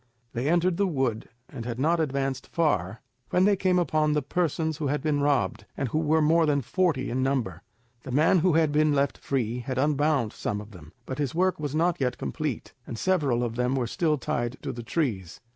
They entered the wood, and had not advanced far, when they came upon the persons who had been robbed, and who were more than forty in number. The man who had been left free, had unbound some of them; but his work was not yet complete, and several of them were still tied to the trees.